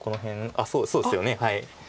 あっそうですよね。